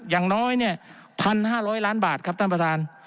อย่างน้อยเนี่ย๑๕๐๐ล้านบาทครับท่านประธาน